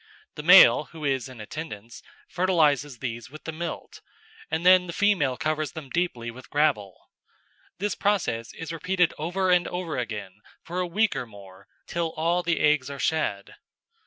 The male, who is in attendance, fertilises these with the milt, and then the female covers them deeply with gravel. The process is repeated over and over again for a week or more till all the eggs are shed.